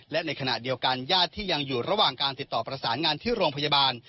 และในขณะเดียวกันญาติที่ยังอยู่ระหว่างการติดต่อประสานงานที่โรงพยาบาล